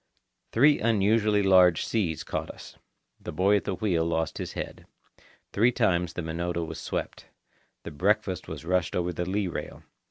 Three unusually large seas caught us. The boy at the wheel lost his head. Three times the Minota was swept. The breakfast was rushed over the lee rail.